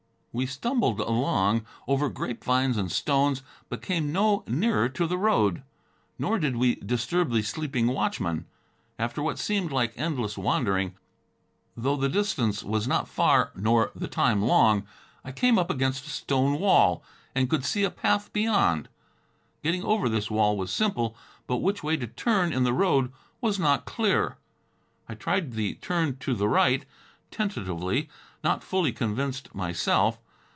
We stumbled along, over grapevines and stones, but came no nearer to the road, nor did we disturb the sleeping watchman. After what seemed like endless wandering, though the distance was not far nor the time long, I came up against a stone wall and could see a path beyond. Getting over this wall was simple, but which way to turn in the road was not clear. I tried the turn to the right, tentatively, not fully convinced myself.